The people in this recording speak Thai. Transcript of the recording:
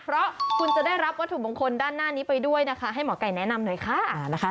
เพราะคุณจะได้รับวัตถุมงคลด้านหน้านี้ไปด้วยนะคะให้หมอไก่แนะนำหน่อยค่ะนะคะ